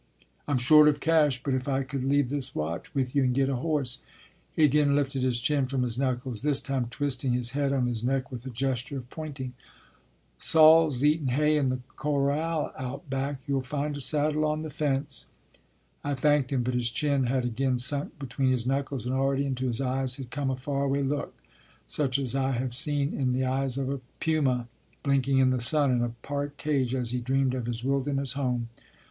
" I m short of cash, but if I could leave this watch with you and get a horse " He again lifted his chin from his knuckles, this time twisting his head on his neck with a gesture of pointing. " Sol s eatin hay in the corral out back ; you ll find a saddle on the fence." I thanked him, but his chin had again sunk be tween his knuckles, and already into his eyes had come a far away look such as I have seen in the eyes of a puma, blinking in the sun in a park cage as he dreamed of his wilderness home.